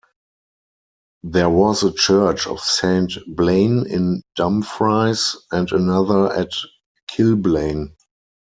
There was a church of Saint Blane in Dumfries and another at Kilblane.